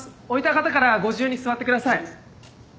置いた方からご自由に座ってください。